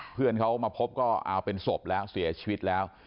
เพื่อนเขามาพบก็เอาเป็นศพแล้วเสียชีวิตแล้ว